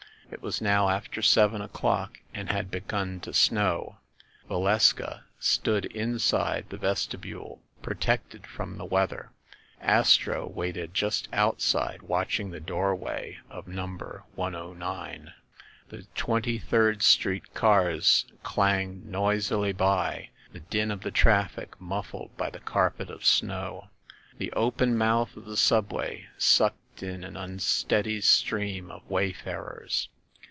It was now after seven o'clock, and had begun to snow. Valeska stood inside the vestibule protected from the weather ; Astro waited just outside watching the doorway of number 109. The Twenty third Street cars clanged noisily by, the din of the traffic muffled by the carpet of snow. The open mouth of the subway sucked in an unsteady stream of wayfarers.